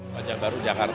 wajah baru jakarta